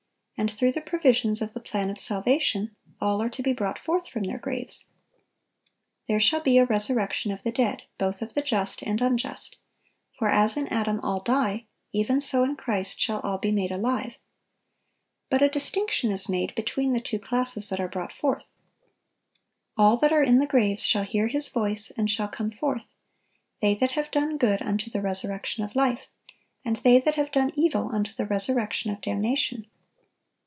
And through the provisions of the plan of salvation, all are to be brought forth from their graves. "There shall be a resurrection of the dead, both of the just and unjust;"(955) "for as in Adam all die, even so in Christ shall all be made alive."(956) But a distinction is made between the two classes that are brought forth. "All that are in the graves shall hear His voice, and shall come forth; they that have done good, unto the resurrection of life; and they that have done evil, unto the resurrection of damnation."